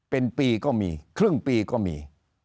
เป็นปีก็มีครึ่งปีก็มี